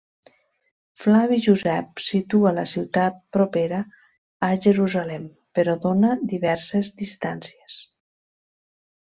Flavi Josep situa la ciutat propera a Jerusalem, però dóna diverses distàncies.